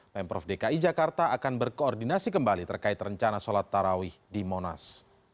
pemprov dki jakarta akan berkoordinasi kembali terkait rencana sholat tarawih di monas